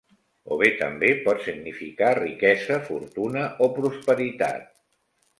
O bé també pot significar riquesa, fortuna o prosperitat.